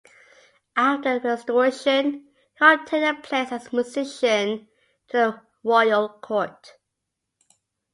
After the Restoration he obtained a place as a musician to the Royal Court.